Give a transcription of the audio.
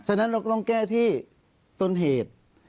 ฉะนั้นเราก็ต้องแก้ที่ต้นเหตุ